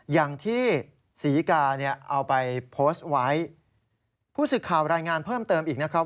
อย่างที่ศรีกาเนี่ยเอาไปโพสต์ไว้ผู้สื่อข่าวรายงานเพิ่มเติมอีกนะครับ